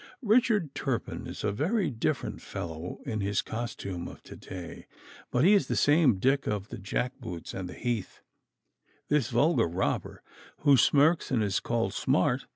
Richard Turpin is a very different fellow in his costume of to day, but he is the same Dick of the jack boots and the heath, this vulgar robber who smirks and is called smart.